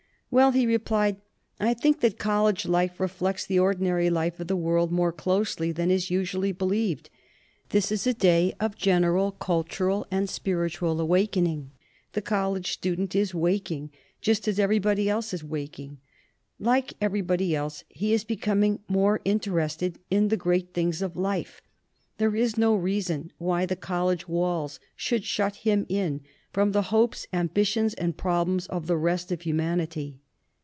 "Well," he replied, "I think that college life reflects the ordinary life of the world more closely than is usually believed. This is a day of general cultural and spiritual awakening. The college student is waking, just as everybody else is wak ing; like everybody else, he is becoming more interested in the great things of life. There is no reason why the college walls should shut him in from the hopes, ambitions, and problems of the rest of humanity.